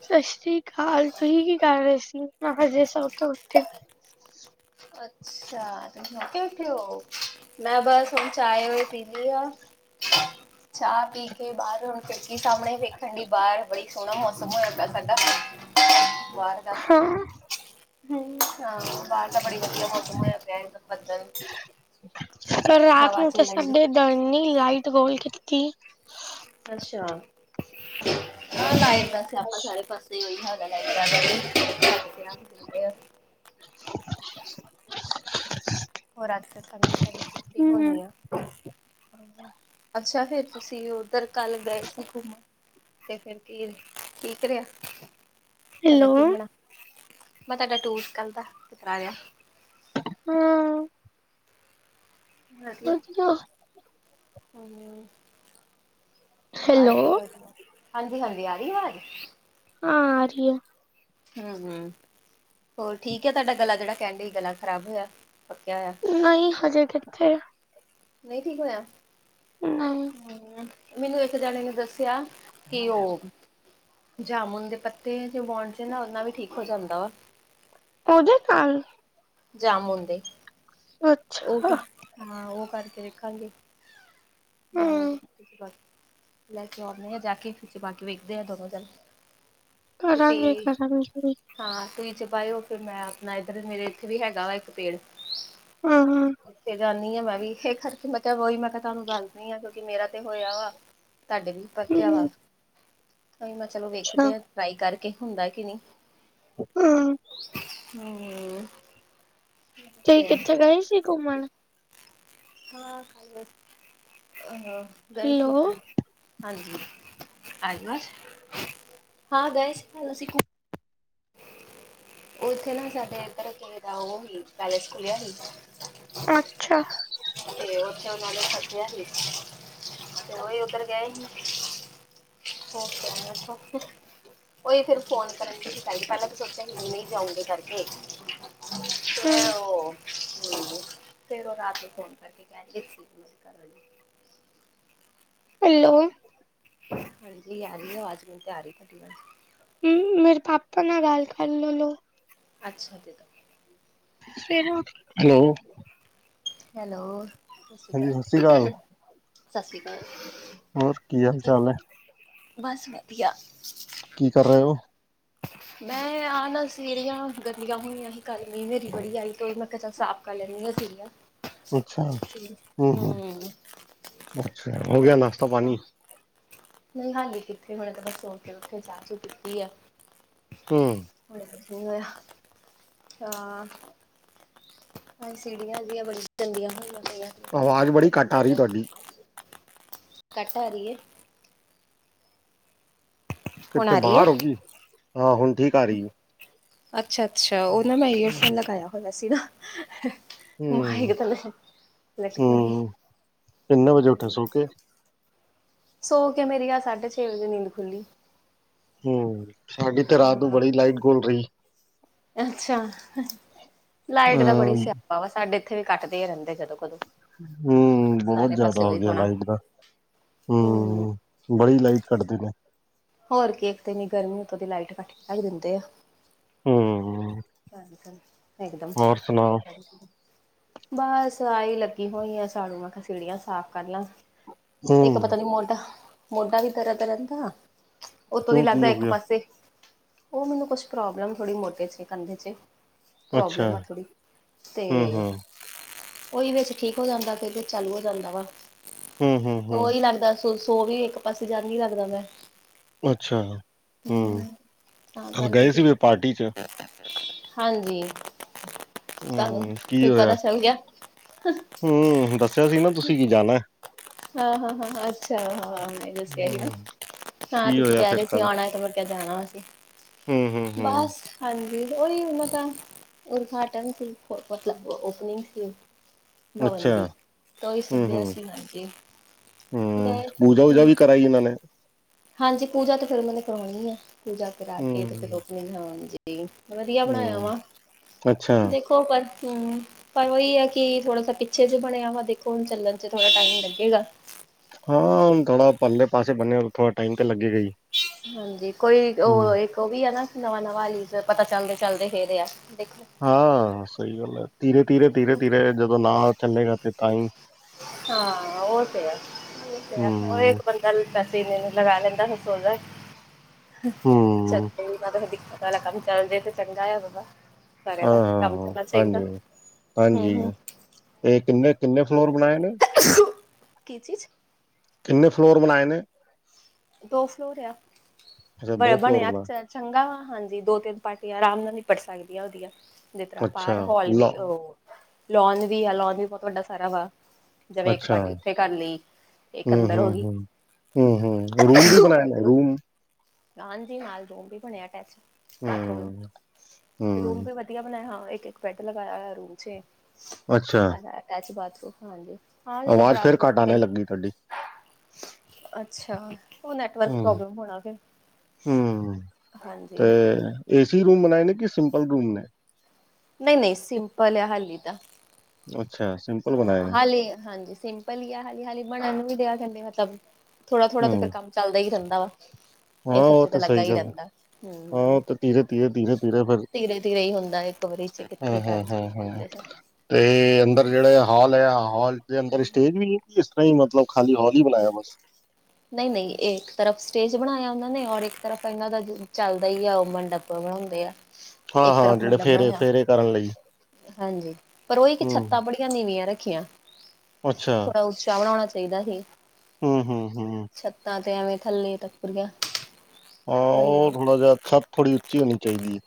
ਸਤਿ ਸ੍ਰੀ ਅਕਾਲ ਤੁਂਹੀ ਕੀ ਕਰ ਰਹੇ ਸੀ? ਮੈਂ ਹਜੇ ਸੌ ਤੋਂ ਉੱਠੇ। ਅੱਛਾ ਤੁਸੀ ਸੋਂ ਕੇ ਕਿੱਥੇ ਹੋ। ਮੈਂ ਬਸ ਹੁਣ ਚਾਹਏ ਧਿਂਦੇ ਹੋ, ਚਾਹ ਪੀ ਕੇ ਬਾਹਰ ਖਿੜਕੀ ਸਾਹਮਣੇ ਵੇਖਣ ਡੀ ਬਾਹਰ ਬੜੀ ਸੋਹਣਾ ਮੌਸਮ ਹੋਇਆਦਾ ਸਾਡਾ ਬਾਹਰ। ਹੂੰ। ਹੂੰ ਹਾਂ ਬਾਰ। ਬੜੀ ਵਧੀਆ ਮੌਸਮ ਹੋਇਆ ਪਿਆ ਬਦਲ, ਹਵਾ ਚਲ ਡਰਨੀ ਲਾਈਟ ਬੋਲ ਕੀਤੀ। ਅੱਛਾ। ਹਾਂ ਲਾਈਟ ਦਾ ਸਿਆਪਾ ਸਾਰੇ ਪਾਸੇ ਓਈ ਹੈਗਾ ਲਾਇਟ ਆਂਦੀ ਨੀ [unintelligible] ਹੋਰ ਅੱਜ ਤੇ ਤੁਆਨੂੰ ਦੇਖਿਆ ਤਾਡੀ ਛੁੱਟੀ ਹਮ ਹੋਣੀ ਐ, [unintelligible] ਅੱਛਾ ਫੇਰ ਤੁਸੀਂ ਓਧਰ ਕੱਲ ਗਏ ਸੀ ਕੁੰਮਣ। ਤੇ ਫੇਰ ਕੀ ਠੀਕ ਰੇਆ, ਤਾਡਾ ਹੈਲੋ ਕੁੰਮਣਾ। ਮੈਂ ਤਾਡਾ ਟੂਰਸ ਕੱਲ ਦਾ ਕਰਾ ਲਯਾ। ਹਾਂ। ਵਧੀਆ, ਹੂੰ। ਆ ਹੈਲੋ ਰਖੀ, ਹਾਂਜੀ-ਹਾਂਜੀ ਆ ਰੀ ਆਵਾਜ਼। ਹਾਂ ਆ ਰੀ ਐ। ਹੂੰ-ਹੰ, ਹੋਰ ਠੀਕ ਐ ਤੁਆਡਾ ਗਲਾ ਜੇੜਾ ਕੈਂਨ ਡਏ ਗਲਾ ਖ਼ਰਾਬ ਹੋਯਾ ਪੱਕਿਆ ਹੋਯਾ। ਨਈ ਹਜੇ ਕਿੱਥੇ। ਨਈ ਠੀਕ ਹੋਯਾ? ਨਈ। ਹੂੰ, ਮੈਨੂੰ ਏਕ ਜਾਣੇ ਨੇ ਦੱਸਿਆ ਕਿ ਓ ਜਾਮੁਨ ਦੇ ਪੱਤੇ ਜੇ ਬੁਉਣੇ ਨਾ ਓਨਾ ਵੀ ਠੀਕ ਹੋ ਜਾਂਦਾ ਵਾ। ਓਦੇ ਕੱਲ ਜਾਮੁਨ ਦੇ, ਓ ਅੱਛਾ ਕਰ ਹਾਂ ਓ ਕਰਕੇ ਦੇਖਾਂਗੇ। ਜਾਮੁ ਹਮ ਦੇ [unintelligible] ਲੈ ਕੇ ਓਨੇ ਆ ਜਾ ਕੇ ਚਬਾਕੇ ਵੇਖਦੇ ਆ ਦੋਨੋ ਜਨੇ ਕਰਾਂਗੇ- ਕਰਾਂਗੇ ਹਾਂ ਤੁਸੀਂ ਚਬਾਏ ਓ ਫੇਰ ਮੈਂ ਆਪਣਾ ਏਧਰ ਮੇਰੇ ਏਥੇ ਵੀ ਹੈਗਾ ਵਾ ਏਕ ਪੇੜ ਹਾਂ-ਹਾਂ। ਓਥੇ ਜਾਂਨੀ ਆ ਮੈਂ ਵੀ ਏਹ ਕਰਕੇ ਮੈਂ ਕੈਆ ਵੋਹੀ ਮੈਂ ਕੈਆ ਤੁਆਨੂੰ ਦੱਸਦੀ ਆ ਕਿਉਂਕਿ ਮੇਰਾ ਤੇ ਹੋਯਾ ਵਾ ਤਾਡੇ ਵੀ ਪੱਕਿਆ ਵਾ, ਹਮ ਓਹ ਮੈਂ ਚਲੋ ਅੱਛਾ ਵੇਖਦੇ ਆ ਟਰਾਈ ਕਰਕੇ ਹੁੰਦਾ ਕਿ ਨੀ ਹੂੰ। ਹੂੰ। ਤੁਸੀਂ ਕਿੱਥੇ ਗਏ ਸੀ ਕੁੰਮਣ? ਹਾਂ ਕੱਲ ਬਸ, ਅ ਗਏ ਸੀ ਹੈਲੋ ਕੱਲ ਹਾਂਜੀ, ਹਾਂਜੀ ਬਸ, ਹਾਂ ਗਏ ਸੀ ਕੱਲ ਅਸੀ ਓਥੇ ਨਾ ਸਾਡੇ ਏਧਰ ਕਹੀ ਦਾ ਓ ਹੀ ਪੈਲੇਸ ਖੁੱਲਿਆ ਸੀ ਅੱਛਾ। ਤੇ ਓਥੇ ਓਨਾਂ ਨੇ ਸੱਦਿਆ ਸੀ, ਤੇ ਓਹੀ ਉੱਧਰ ਗਏ ਸੀ। ਕੁੰਮ ਕੇ ਆਏ ਆ ਓਥੋਂ ਓਈ ਫੇਰ ਫੋਨ ਕਰਨ ਢਈ ਸੀ ਪੈਲੀ ਪੈਲਾ ਤਾਂ ਸੋਚਿਆ ਨਈ ਜਾਊਂਗੀ ਕਰਕੇ ਹੂੰ। ਹੂੰ, ਫੇਰ ਓ ਰਾਤੀ ਫੋਨ ਕਰਕੇ ਕੈਂਨਗੇ ਅਸੀਂ ਮਿਸ ਕਰ ਰੇ ਸੀ। ਹੈਲੋ ਹਾਂਜੀ ਆ ਰੀ ਆਵਾਜ਼ ਮੈਨੂੰ ਤਾਂ ਆ ਰੀ ਤੁਆਡੀ ਵਾਜ। ਹੂੰ ਮੇਰੇ ਪਾਪਾ ਨਾਲ ਗੱਲ ਕਰ ਲੌ ਲੋ। ਅੱਛਾ ਦੇ ਦੋ। ਹੈਲੋ ਹੈਲੋ ਸਾਸ ਸ੍ਰੀ ਹਾਂਜੀ ਸਤਿ ਸ਼੍ਰੀ ਅਕਾਲ ਕਾਲ- ਸਾਸ ਸ਼੍ਰੀ ਕਾਲ ਹੋਰ ਕੀ ਹਾਲ-ਚਾਲ ਐ? ਬਸ ਵਧੀਆ। ਕੀ ਕਰ ਰਹੇ ੳ? [unintelligible] ਮੈਂ ਆਹ ਨਾ ਸੀਢੀ਼ਆਂ ਗੰਦੀਆਂ ਹੋਈਆਂ ਸੀ ਕੱਲ ਮੀਂਹ, ਨੇਰੀ ਬੜੀ ਆਈ ਤੇ ਮੈਂ ਕੇਆ ਚਲ ਸਾਫ ਕੱਲ ਏਨੀਆਂ ਸੀਢੀ਼ਆਂ ਅੱਛਾ ਹੂੰ, ਹੂੰ, ਅੱਛਾ। ਹੋ ਗਿਆ ਨਾਸ਼ਤਾ ਪਾਨੀ। ਨਈ ਹਾਲੇ ਕਿੱਥੇ ਹੁਣੇ ਤਾਂ ਬਸ ਸੋ ਕੇ ਉਠੇ, ਚਾ-ਚੂ ਪੀਤੀ ਐ। ਹੂੰ। ਹੁਣੇ ਤੇ ਨਈ ਹੋਏਆ ਹਾਂ ਏ ਸੀੜੀਆਂ ਜਿਆਂ ਬੜੀਆਂ ਗੰਦੀਆਂ ਹੋਈਆ ਪਈਐਂ। ਆਵਾਜ ਬੜੀ ਘੱਟ ਆ ਰੀ ਤੁਆਡੀ। ਘਟ ਆ ਰੀ ਏ। ਹੁਣ ਕਿੱਥੇ ਆ ਰਹੀ ਹੈ ਬਾਹਰ ੳ ਕੀ? ਹਾਂ, ਹੁਣ ਠੀਕ ਆ ਰਈ ਏ। ਅੱਛਾ-ਅੱਛਾ, ੳਹ ਨਾ ਮੈਂ ਈਅਰਫੋਨ ਲਗਾਏਆ ਹੋਏਆ ਸੀ ਨਾ। ਹਮ ਮਾਇਕ ਤੇ ਲਟਕ, ਲਟਕੇ ਈ ਹਮ ਕਿੰਨੇ ਵਜੇ ਉੱਠੇ ਹੂੰ ਸੋ ਕੇ ਸੋ ਕੇ ਮੇਰੀ ਅੱਜ ਸਾਢੇ ਛੇ ਵਜੇ ਨੀਂਦ ਖੁੱਲੀ। ਹੂੰ, ਸਾਡੀ ਤੇ ਰਾਤ ਨੂੰ ਹਾਂ ਬੜੀ ਲਾਈਟ ਗੁਲ ਰਈ। ਅੱਛਾ। ਲਾਈਟ ਦਾ ਬੜੀ ਹਮ ਸੀਆਪਾ ਵਾਵਾ, ਸਾਡੇ ਏਥੇ ਵੀ ਕੱਟਦੇ ਈ ਰੈਂਦੇ ਜਦੋਂ ਕਦੋਂ। ਹੂੰ, ਬੋਤ ਸਾਰੇ ਜਾਦਾ ਪਾਸੇ ਹੋ ਉਹੀ ਗਿਆ ਹੋਣਾ ਲਾਈਟ ਦਾ ਹਮ ਹੂੰ। ਬੜੀ ਲਾਈਟ ਕਟਦੇ ਨੇ। ਹੋਰ ਕੀ। ਇੱਕ ਤੇ ਏਨੀ ਗਰਮੀ ਉਤੋਂ ਦੀ ਲਾਈਟ ਕਟ ਕੇ ਰਖ ਦਿੰਦੇ ਆ। ਹੂੰ। ਇੱਕਦਮ ਸੁਣਾਓ ਬਸ ਆਹੀ ਲੱਗੀ ਹੋਈ ਆ ਝਾੜੂ ਮੈਂ ਕੇਆ ਸੀਢੀ਼ਆਂ ਸਾਫ਼ ਕਰ ਲਾਂ। ਇੱਕ ਹਮ ਪਤਾ ਨੀ ਮੋਢਾ, ਮੋਢਾ ਵੀ ਦਰਦ ਰੈਂਦਾ। ਓਤੋਂ ਦੀ ਕਿਉਂ ਕੀ ਲੱਗਦਾ, ਹੋ ਇੱਕ ਗਿਆ ਪਾਸੇ ੳਹ ਮੈਨੂੰ ਕੁਛ ਪ੍ਰੋਬਲਮ ਥੋੜੀ ਮੋਟੀ ਸੀ ਕੰਧੇ ਚ ਅੱਛਾ ਪ੍ਰੋਬਲਮ ਆ ਥੋੜੀ ਤੇ ਹਮ ਹਮ ੳਈ ਵਿਚ ਠੀਕ ਹੋ ਜਾਂਦਾ ਤੇ ਫੇਰ ਚਾਲੂ ਹੋ ਜਾਂਦਾ ਵਾ, ਹਮ ਹਮ ਹਮ ਤੋ ੳਈ ਲੱਗਦਾ ਤੋ ਸੋ ਵੀ ਇੱਕ ਪਾਸੇ ਜਾਂਦੀ ਲੱਗਦਾ ਮੈਂ ਅੱਛਾ ਹੂੰ, ਤਾਂ ਕਲ ਕਰਕੇ ਗਏ ਫਿਰ ਸੀ ਫੇਰ ਪਾਰਟੀ ਚ। ਹਾਂਜੀ, ਤਾਨੂੰ ਹੂੰ, ਕੀ ਪਤਾ ਹੋਇਆ? ਚੱਲ ਗਿਆ। ਹੂੰ, ਦੱਸੇਆ ਸੀ ਨਾ ਤੁਸੀ, ਕੀ ਜਾਨਾ ਏ। ਹਾਂ-ਹਾਂ-ਹਾਂ-ਹਾਂ, ਅੱਛਾ ਹਾਂ ਮੈਂ ਦੱਸੇਆ ਸੀ ਨਾ, ਹੂੰ, ਹਾਂ ਕੀ ਤੁਸੀ ਹੋਇਆ ਕੈ ਰਏ ਫਿਰ ਸੀ ਕੱਲ? ਆਨਾ ਏ ਤੇ ਫੇਰ ਜਾਨਾ ਸੀ ਹੂੰ, ਹੂੰ, ਹੂੰ, ਬਸ ਹਾਂਜੀ, ੳਈ ੳਨਾਂ ਦਾ ਉਦਘਾਟਨ ਸੀ, ਮਤਲਬ ਓਪਨਿਂਗ ਸੀ। ਅੱਛਾ, ਬਦੀ ਤਾਂ ੳਈ ਸਬ ਹੂੰ, ਦੇ ਹੂੰ, ਅਸੀ ਲਾਂਗੇ। ਹੂੰ, ਪੂਜਾ ਵੂਜਾ ਵੀ ਕਰਾਈ ਏਨਾ ਨੇ। ਹਾਂਜੀ, ਪੂਜਾ ਤੇ ਫੇਰ ੳਨਾ ਨੇ ਕਰਵਾਨੀ ਐ, ਪੂਜਾ ਕਰਾ ਕੇ ਤੇ ਫੇਰ ਹੂੰ, ਔਪਨਿੰਗ, ਹਾਂਜੀ। ਵਧੀਆ ਬਨਾਏਆ ਹੂੰ, ਵਾ ਅੱਛਾ, ਦੇਖੋ ਪਰ, ਹੂੰ। ਪਰ ੳਈ ਐ ਕਿ ਥੋੜਾ ਜਾ ਪਿੱਛੇ ਜੇ ਬਨੇਆ ਵਾ ਦੇਖੋ ਹੁਣ ਚੱਲਣ ਚ ਥੋੜਾ ਟਾਈਮ ਲੱਗੇਗਾ। ਹਾਂ ਹੁਣ ਥੋੜਾ ਪੱਰਲੇ ਪਾਸੇ ਬਨੇਆ ਥੋੜਾ ਟਾਈਮ ਤੇ ਲੱਗੇ ਗਾ ਈ। ਹਾਂਜੀ, ਕੋਈ ੳਹ ਇੱਕ ੳਵੀ ਏ ਨਾ ਨਵਾਂ ਨਵਾਂ ਹਾਲੀ ਫੇਰ ਪਤਾ ਚੱਲਦੇ-ਚੱਲਦੇ ਫੇਰ ਆ ਦੇਖੋ। ਹਾਂ ਸਹੀ ਗੱਲ ਐ। ਧੀਰੇ-ਧੀਰੇ-ਧੀਰੇ-ਧੀਰੇ ਜਦੋਂ ਨਾ ਚੱਲੇਗਾ ਤੇ ਤਾਂਈ ਹਾਂ, ਉਹ ਤੇ ਐ, ਉਹ ਤੇ ਐ। ਉਹ ਹੂੰ, ਇੱਕ ਵਾਰੀ ਪਹਿਲੇ ਪੈਸੇ ਇੰਨੇ-ਇੰਨੇ ਲਗਾ ਲੈਂਦਾ, ਫਿਰ ਸੋਚਦਾ ਹੂੰ। ਸਿਰ ਤੇ ਵੀ ਆ, ਫਿਰ ਦਿੱਕਤ ਆਲਾ ਕੰਮ ਚੱਲਜੇ ਤੇ ਚੰਗਾ ਆ ਬਾਬਾ ਸਾਰਿਆਂ ਦਾ ਕੰਮ ਹਾਂ-ਹਾਂ-ਹਾਂ, ਚੱਲਣਾ ਚਾਹੀਦਾ ਹੂੰ ਹਾਂਜੀ-ਹਾਂਜੀ। ਹੂੰ ਇਹ ਕਿੰਨੇ-ਕਿੰਨੇ ਫਲੋਰ ਬਣਾਏ ਨੇ? ਕੀ ਚੀਜ਼? ਕਿੰਨੇ ਫਲੋਰ ਬਣਾਏ ਨੇ? ਦੋ ਫਲੋਰ ਆ। ਅੱਛਾ ਬ ਫਲੋਰ ਬਣਿਆ ਬਣਾਏ ਚਾ ਚੰਗਾ ਵਾ, ਹਾਂਜੀ। ਦੋ ਤਿੰਨ ਪਾਰਟੀਆਂ ਆਰਾਮ ਨਾ ਨਿਪਟ ਸਕਦੀਆਂ ਉਹਦੀਆ ਜਿਸ ਤਰ੍ਹਾਂ ਅੱਛਾ ਬਾਹਰ ਹੋਲ ਲੋ ਵੀ, ਉਹ ਲੋਨ ਵੀ ਆ, ਲੋਨ ਵੀ ਬਹੁਤ ਵੱਡਾ ਸਾਰਾ ਵਾ। ਜਿਵੇਂ ਇੱਕ ਅੱਛਾ ਪਾਰਟੀ ਉੱਥੇ ਕਰ ਲਈ, ਇੱਕ ਅੰਦਰ ਹੋਗੀ। ਹੂੰ-ਹੂੰ। ਰੂਮ ਵੀ ਬਣਾਏ ਨੇ ਰੂਮ? ਹਾਂਜੀ, ਨਾਲ ਰੂਮ ਵੀ ਬਣਿਆ ਅਟੈਚ ਬਾਥਰੂਮ। ਹੂੰ, ਰੂਮ ਹੂੰ ਵੀ ਵਧੀਆ ਬਣਾਇਆ ਹੋਇਆ। ਇੱਕ-ਇੱਕ ਬੈਡ ਲਗਾਇਆ ਹੋਇਆ ਰੂਮ 'ਚ ਅੱਛਾ ਅਟੈਚ ਬਾਥਰੂਮ, ਹਾਂਜੀ। ਹਾਂ ਜਿਸ ਤਰ੍ਹਾਂ ਆਵਾਜ਼ ਬਰਾਤ ਫੇਰ ਘੱਟ ਬਰੂਤ ਆਣੇ ਗਈ ਲੱਗੀ ਤੁਹਾਡੀ। ਅੱਛਾ, ਉਹ ਨੈਟਵਰਕ ਹੂੰ, ਪ੍ਰੋਬਲਮ ਹੋਣਾ ਫਿਰ। ਹੂੰ ਤੇ ਹਾਂਜੀ ਏਸੀ ਰੂਮ ਬਣਾਏ ਨੇ, ਕਿ ਸਿੰਪਲ ਰੂਮ ਨੇ। ਨਹੀਂ-ਨਹੀਂ ਸਿੰਪਲ ਆ, ਹਾਲੀ ਦਾ। ਅੱਛਾ। ਸਿੰਪਲ ਬਣਾਏ ਹਾਂ, ਨੇ ਹਾਲੀ ਹਾਂਜੀ। ਸਿੰਪਲ ਈ ਆ ਹਾਲੀ। ਹਾਲੀ ਬਣਨ ਨੂੰ ਵੀ ਦਿਆ ਥੱਲੇ ਮਤਬਲ ਥੋੜਾ-ਥੋੜਾ ਤੇ ਫੇਰ ਹੂੰ, ਕੰਮ ਚੱਲਦਾ ਈ ਰਹਿੰਦਾ ਵਾ। ਹਾਂ ਇਹ ਸਭ ਉਹ 'ਚ ਤੇ ਤਾਂ ਲੱਗਾ ਸਹੀ ਈ ਗੱਲ ਐ। ਰਹਿੰਦਾ, ਹਾਂ ਹੂੰ। ਉਹ ਤੇ ਧੀਰੇ-ਧੀਰੇ, ਧੀਰੇ-ਧੀਰੇ ਫਿਰ ਧੀਰੇ-ਧੀਰੇ ਈ ਹੁੰਦਾ ਇੱਕ ਵਾਰੀ 'ਚ ਹਾਂ, ਉਹਦੇ ਹਾਂ, ਘਰ ਹਾਂ, ਹਾਂ 'ਚ [unintelligible] ਤੇ ਅੰਦਰ ਜਿਹੜੇ ਹੌਲ ਐ, ਹੌਲ ਦੇ ਅੰਦਰ ਸਟੇਜ ਵੀ ਏ। ਕੀ ਇਸ ਤਰ੍ਹਾਂ ਈ ਮਤਲਬ ਖਾਲੀ ਹੌਲ ਈ ਬਣਾਇਆ ਬਸ। ਨਹੀਂ-ਨਹੀਂ ਇੱਕ ਤਰਫ਼ ਸਟੇਜ ਬਣਾਇਆ, ਉਹਨਾਂ ਨੇ। ਔਰ ਇੱਕ ਤਰਫ਼ ਇਹਨਾਂ ਦਾ ਚੱਲਦਾ ਈ ਆ, ਉਹ ਮੰਡਪ। ਪ੍ਰੋਗਰਾਮ ਹੁੰਦੇ ਆ। ਇੱਕ ਹਾਂ-ਹਾਂ, ਤਰਫ ਜਿਹੜੇ ਮੰਡਪ ਬਣਿਆ ਫੇਰੇ-ਫੇਰੇ ਕਰਨ ਲਈ। ਹਾਂਜੀ। ਪਰ ਉਹ ਇੱਕ ਹੂੰ, ਛੱਤਾਂ ਬੜੀਆਂ ਨੀਵੀਆਂ ਰੱਖੀਆਂ। ਅੱਛਾ, ਥੋੜ੍ਹਾ ਉੱਚਾ ਬਣਾਉਣਾ ਚਾਹੀਦਾ ਹੀ। ਹੂੰ, ਹੂੰ, ਹੂੰ। ਛੱਤਾਂ ਤੇ ਐਵੇਂ ਥੱਲੇ ਤੱਕਰ ਈ ਆ। ਹਾਂ, ਉਹ ਥੋੜਾ ਜਿਹਾ, ਛੱਤ ਥੋੜੀ ਉੱਚੀ ਹੋਣੀ ਚਾਹੀਦੀ ਏ।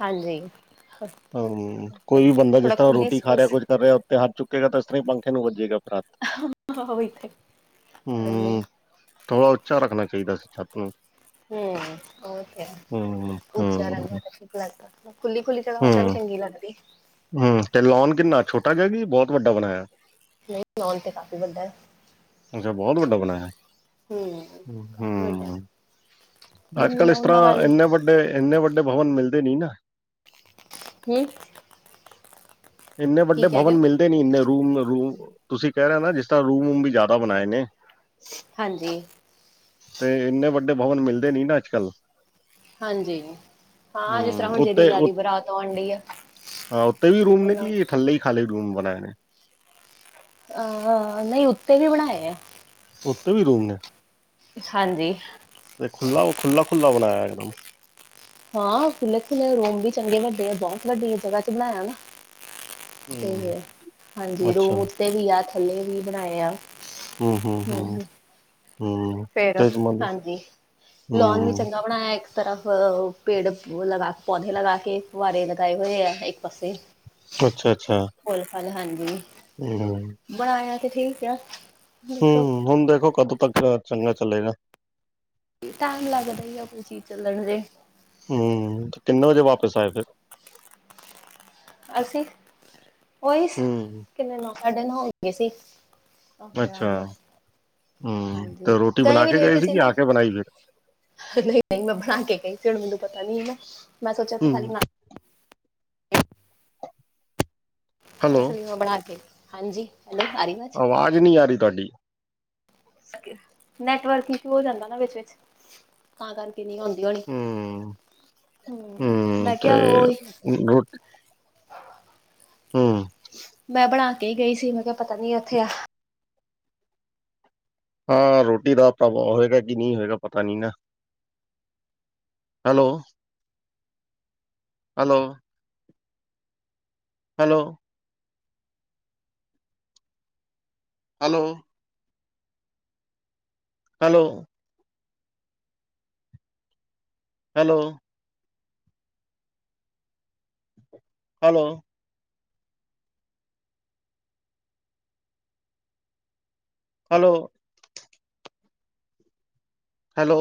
ਹਾਂਜੀ। ਹੂੰ, ਤੇ ਕੋਈ ਵੀ ਬੰਦਾ ਜਿਸ ਥੋੜਾ ਤਰ੍ਹਾਂ ਖੁੱਲੀ ਰੋਟੀ ਖਾ ਰਿਹਾ, ਸਪੇਸ ਕੁੱਝ ਕਰ ਰਿਹਾ। ਉੱਤੇ ਹੱਥ ਚੁੱਕੇਗਾ ਤਾਂ ਇਸ ਤਰ੍ਹਾਂ ਹੀ ਪੰਖੇ ਨੂੰ ਵੱਜੇਗਾ ਫੇਹਾ। ਹੋ ਇਥੇ ਤਾਂ ਨਹੀਂ। ਥੋੜ੍ਹਾ ਉੱਚਾ ਰੱਖਣਾ ਚਾਹੀਦਾ ਸੀ ਛੱਤ ਨੂੰ। ਹੂੰ, ਓਕੇ। ਹੂੰ, ਵਿਚਾਰਿਆ ਦੀਆਂ ਹੂੰ, ਤੇ ਫਿਰ ਖੁਲਾ ਤਾ ਖੁੱਲੀ-ਖੁੱਲੀ ਚਲੋ ਓਤਰਾ ਵੀ ਚੰਗੀ ਲੱਗਦੀ। ਹਾਂ ਤੇ ਲੋਨ ਕਿੰਨਾ ਛੋਟਾ ਜਿਹਾ, ਕੀ ਬਹੁਤ ਵੱਡਾ ਬਣਾਇਆ। ਨਹੀਂ ਲੌਣ ਤੇ ਕਾਫ਼ੀ ਵੱਡਾ ਐ। ਅੱਛਾ, ਬਹੁਤ ਵੱਡਾ ਬਣਾਇਆ ਏ, ਹੂੰ ਕਾਫੀ ਵੱਡਾ ਹੂੰ। ਅੱਜ-ਕੱਲ੍ਹ ਜ਼ਮੀਨਾਂ ਇਸ ਉਹਨਾਂ ਤਰ੍ਹਾਂ ਵੱਲ ਇੰਨੇ ਵੱਡੇ, ਇੰਨੇ ਵੱਡੇ ਭਵਨ ਮਿਲਦੇ ਨੀ ਨਾ। ਹੂੰ। ਇੰਨੇ ਕੀ ਵੱਡੇ ਕਹਿ ਰਹੇ ਭਵਨ ਹੋ ਮਿਲਦੇ ਨੀ। ਇੰਨੇ ਰੂਮ-ਰੂਮ, ਤੁਸੀਂ ਕਹਿ ਰਹੇ ਓ ਨਾ, ਜਿਸ ਤਰ੍ਹਾਂ ਰੂਮ-ਵੂਮ ਵੀ ਜ਼ਿਆਦਾ ਬਣਾਏ ਨੇ। ਹਾਂਜੀ। ਤੇ ਇੰਨੇ ਵੱਡੇ ਭਵਨ ਮਿਲਦੇ ਨੀ ਨਾ ਅੱਜ-ਕੱਲ੍ਹ। ਹਾਂਜੀ, ਹਾਂ ਜਿਸ ਤਰ੍ਹਾਂ ਹੂੰ ਹੁਣ ਜਿਹਦੀ ਉੱਤੇ ਉ ਜ਼ਆਦੀ ਬਰਾਤ ਆਉਣ ਡੀ ਆ। ਹਾਂ, ਉਤੇ ਵੀ ਰੂਮ ਨੇ ਉਹਨਾਂ ਕਿ ਥੱਲੇ ਈ ਖਾਲੀ ਰੂਮ ਬਣਾਏ ਨੇ? ਅ, ਨਈ ਉੱਤੇ ਵੀ ਬਣਾਏ ਆ। ਉੱਤੇ ਵੀ ਰੂਮ ਨੇ? ਹਾਂਜੀ। ਤੇ ਖੁੱਲਾ ਓ ਖੁੱਲ੍ਹਾਂ-ਖੁੱਲ੍ਹਾਂ ਬਣਾਇਆ ਏਕ ਦਮ। ਹਾਂ, ਖੁੱਲ੍ਹੇ-ਖੁੱਲੇ ਰੂਮ ਵੀ ਚੰਗੇ ਵੱਡੇ ਆ ਬੋਤ ਵੱਡੀ ਜਗ੍ਹਾ ਚ ਬਣਾਇਆ ਨਾ ਤ ਹੂੰ ਹਾਂਜੀ ਅੱਛਾ ਰੂਮ ਉੱਤੇ ਵੀ ਆ, ਥੱਲੇ ਵੀ ਬਣਾਏ ਆ। ਹੂੰ-ਹੂੰ-ਹੂੰ, ਹਮ ਹੂੰ। ਫੇਰ ਤੇਜ ਮਨ ਹਾਂਜੀ, ਲੋਨ ਵੀ ਹੂੰ ਚੰਗਾ ਬਣਾਇਆ ਏਕ ਤਰਫ ਪੇੜ ਲਗਾ, ਪੌਦੇੇ ਲਗਾ ਕੇ, ਫੁਆਰੇ ਲਗਾਏ ਹੋਏ ਐ ਏਕ ਪਾਸੇ ਅੱਛਾ- ਅੱਛਾ। ਫੁੱਲ-ਫਲ ਹਾਂਜੀ। ਹੂੰ। ਬਣਾਇਆ ਤੇ ਠੀਕ ਐ। ਹੂੰ, ਹੁਣ ਦੇਖੋ ਕਦੋਂ ਤੱਕ ਚੰਗਾ ਚਲੇਗਾ। ਟੈਮ ਲੱਗਦਾ ਈ ਐ ਕੋਈ ਚੀਜ਼ ਚੱਲਣ ਤੇ। ਹੂੰ, ਤੇ ਕਿੰਨੇ ਵਜੇ ਵਾਪਿਸ ਆਏ ਫੇਰ? ਅਸੀਂ, ਓਈ ਹੂੰ ਕਿੰਨੇ ਨੋ ਸਾਡੇ ਨੌ ਹੋ ਗਏ ਸੀ ਅੱਛਾ ਆਉਂਦੇ-ਆਉਂਦੇ, ਹੂੰ ਹਾਂਜੀ, ਤੇ ਰੋਟੀ ਗਏ ਬਣਾ ਵੀ ਕੇ ਲੇਟ ਸੀ ਕਿ ਨਾ। ਆ ਕੇ ਬਣਾਈ ਫਿਰ ਨਈ-ਨਈ ਮੈਂ ਬਣਾ ਕੇ ਗਈ ਸੀ ਹੁਣ ਮੈਨੂੰ ਪਤਾ ਨਈ ਨਾ, ਮੈਂ ਸੋਚਿਆ ਉੱਥੇ ਖਾਲੀ ਹੂੰ ਨਾ ਹੈਲੋ ਐਸ ਲ‌ਈ ਮੈਂ ਬਣਾ ਕੇ, ਹਾਂਜੀ, ਹੈਲੋ ਆ ਰੀ ਵਾਜ਼? ਆਵਾਜ਼ ਨੀ ਆ ਰੀ ਤੁਆਡੀ? ਨੈੱਟਵਰਕ ਇਸ਼ੂ ਹੋ ਜਾਂਦਾ ਨਾ ਵਿੱਚ-ਵਿੱਚ ਤਾਂ ਕਰਕੇ ਨੀ ਆਉਂਦੀ ਹੋਣੀ, ਹੂੰ ਹੂੰ ਮੈਂ ਕਿਆ ਓ ਰੋ ਹੂੰ, ਮੈਂ ਬਣਾ ਕੇ ਗਈ ਸੀ ਮੈਂ ਕਿਆ ਪਤਾ ਨੀ ਉੱਥੇ ਆ ਹਾਂ, ਰੋਟੀ ਦਾ ਪ੍ਰਭਵ ਹੋਏਗਾ ਕਿ ਨੀ ਹੈਗਾ ਪਤਾ ਨੀ ਨਾ। Hello! Hello! Hello! Hello! Hello! Hello! Hello! Hello! Hello!